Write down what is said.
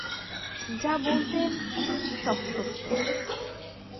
যা বলতেন, সব সত্য।